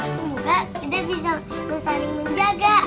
semoga kita bisa saling menjaga